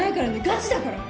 ガチだから。